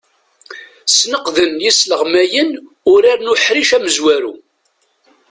Sneqden yisleɣmayen urar n uḥric amezwaru.